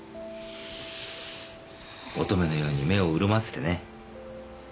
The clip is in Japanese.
乙女のように目を潤ませてね。